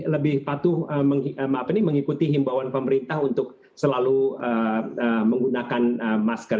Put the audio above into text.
lebih patuh mengikuti himbawan pemerintah untuk selalu menggunakan masker